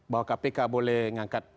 bahwa kpk boleh mengangkat